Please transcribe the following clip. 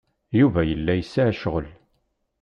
Yuba yella yesɛa ccɣel.